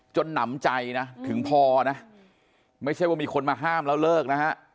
หนำใจนะถึงพอนะไม่ใช่ว่ามีคนมาห้ามแล้วเลิกนะฮะ